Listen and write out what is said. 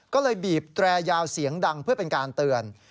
ก็เลยบีบแตรยาวเสียงดังเพื่อเป็นการเตือน